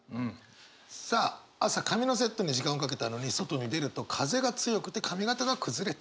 さあ朝髪のセットに時間をかけたのに外に出ると風が強くて髪形が崩れた。